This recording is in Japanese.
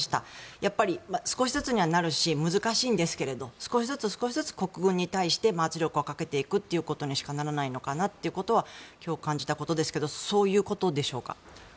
やっぱり、少しずつになるし難しいんですけど少しずつ、国軍に対して圧力をかけていくということにしかならないのかなと今日感じたことですけどそういうことでしょうか？